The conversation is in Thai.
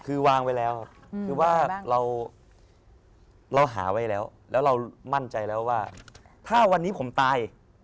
คือวางไว้แล้วครับคือว่าเราหาไว้แล้วแล้วเรามั่นใจแล้วว่าถ้าวันนี้ผมตาย